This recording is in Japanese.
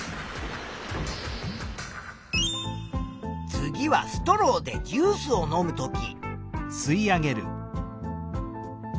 次はストローでジュースを飲むとき。